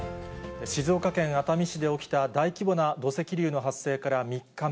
静岡県熱海市で起きた大規模な土石流の発生から３日目。